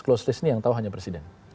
closed list ini yang tahu hanya presiden